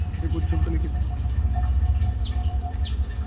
এই পর্যন্তই লিখেছি।